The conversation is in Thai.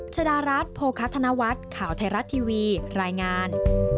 ชดารัฐโภคธนวัฒน์ข่าวไทยรัฐทีวีรายงาน